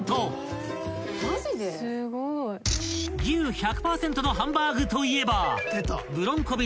［牛１００％のハンバーグといえば］